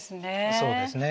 そうですね。